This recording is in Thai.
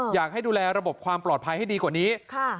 อยากให้ดูแลระบบความปลอดภัยให้ดีกว่านี้